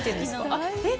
あっ、えっ？